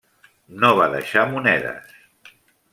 No va deixar monedes.